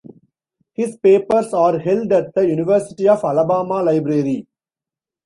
His papers are held at the University of Alabama library.